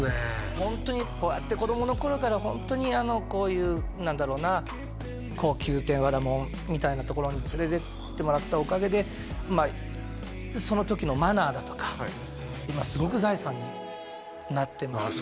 ホントにこうやって子供の頃からホントにこういう何だろうな高級店和田門みたいな所に連れてってもらったおかげでまあその時のマナーだとかはい今すごく財産になってますね